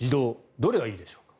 どれがいいでしょうか。